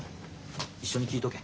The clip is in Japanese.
一緒に聞いとけ。